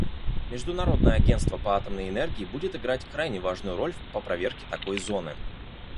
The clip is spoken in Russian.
Международное агентство по атомной энергии будет играть крайне важную роль по проверке такой зоны.